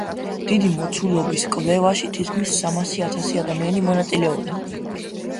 დიდი მოცულობის კვლევაში თითქმის სამასი ათასი ადამიანი მონაწილეობდა.